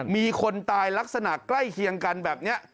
มีคนตายลักษณะใกล้เคียงกันแบบนี้